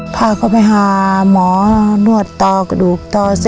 หาก็ไปให้หมอนวัดกระดูก